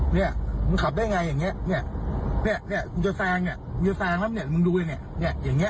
เนี้ยมึงขับได้ไงอย่างเงี้ยเนี้ยเนี้ยเนี้ยมึงจะแซงเนี้ยมึงจะแซงแล้วเนี้ยมึงดูเลยเนี้ยเนี้ยอย่างเงี้ย